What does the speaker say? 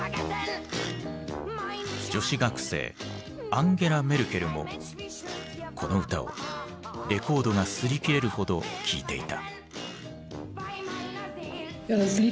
女子学生アンゲラ・メルケルもこの歌をレコードがすり切れるほど聴いていた。